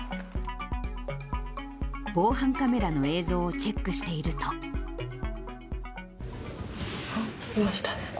防犯カメラの映像をチェックあっ、いましたね。